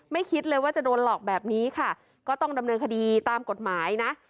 คิดเลยว่าจะโดนหลอกแบบนี้ค่ะก็ต้องดำเนินคดีตามกฎหมายนะ